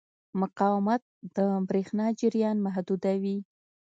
مقاومت د برېښنا جریان محدودوي.